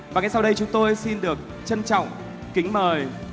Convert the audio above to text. và ngay sau đây chúng tôi xin được trân trọng kính mời